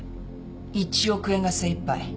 「１億円が精いっぱい。